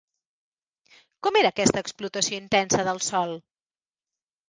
Com era aquesta explotació intensa del sòl?